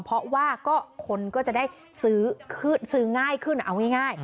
เพราะว่าคนก็จะได้ซื้อง่ายขึ้นเอาง่าย